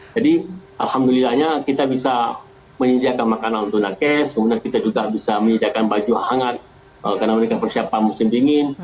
jadi alhamdulillahnya kita bisa menyediakan makanan untuk nakis kemudian kita juga bisa menyediakan baju hangat karena mereka bersiapkan musim dingin